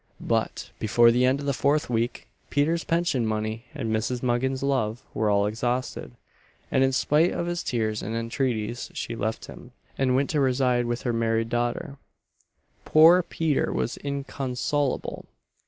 But, before the end of the fourth week, Peter's pension money, and Mrs. Muggins's love, were all exhausted, and in spite of his tears and entreaties she left him, and went to reside with her married daughter. Poor Peter was inconsolable.